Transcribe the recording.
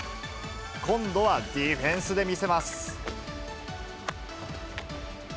今度はディフェンスで見せます。